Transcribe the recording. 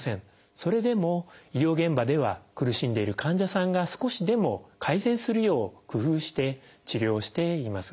それでも医療現場では苦しんでいる患者さんが少しでも改善するよう工夫して治療しています。